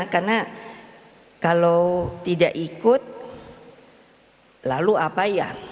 karena kalau tidak ikut lalu apa ya